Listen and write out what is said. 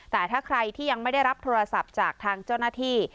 แต่ถ้าใครที่ยังไม่ได้รับโทรศัพท์จากทางเจ้าหน้าที่